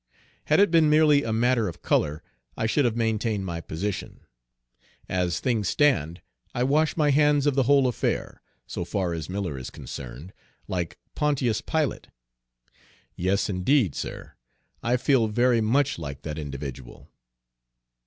Had it been merely a matter of color, I should have maintained my position. As things stand, I wash my hands of the whole affair, so far as Miller is concerned, like Pontius Pilate yes, indeed, sir, I feel very much like that individual."